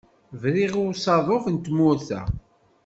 Briɣ i usaḍuf n tmurt-a.